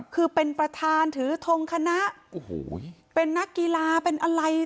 คือเป็นประธานถือทงคณะโอ้โหเป็นนักกีฬาเป็นอะไร